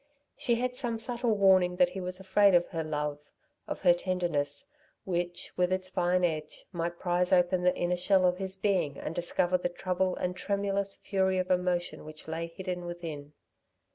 She had some subtle warning that he was afraid of her love, of her tenderness, which, with its fine edge, might prize open the inner shell of his being and discover the trouble and tremulous fury of emotion which lay hidden within.